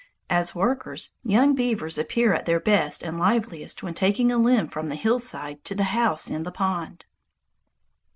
As workers, young beaver appear at their best and liveliest when taking a limb from the hillside to the house in the pond.